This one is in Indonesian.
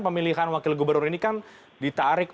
pemilihan wakil gubernur ini kan ditarik